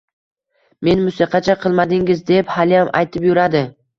“Meni musiqacha qilmadingiz”, deb haliyam aytib yuradi.